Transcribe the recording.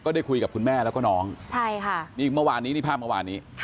ได้คุยกับคุณแม่แล้วน้องนี่ภาพเมื่อวานนี้